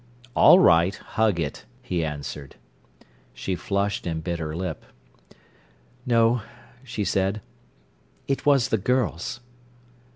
"All right, hug it," he answered. She flushed and bit her lip. "No," she said, "it was the girls."